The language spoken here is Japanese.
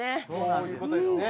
そういう事ですね。